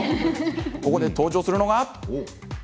ここで登場するのが。